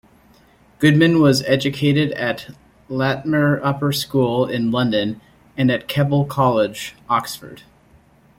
Goodman was educated at Latymer Upper School in London and at Keble College, Oxford.